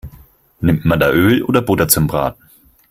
Nimmt man da Öl oder Butter zum Braten?